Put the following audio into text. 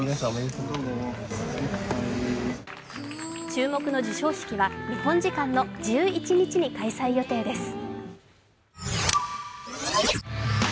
注目の授賞式は日本時間の１１日に開催予定です。